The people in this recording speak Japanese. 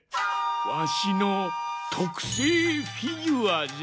わしのとくせいフィギュアじゃ。